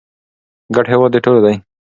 ګډ هېواد د ټولو دی.